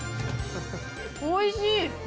おいしい。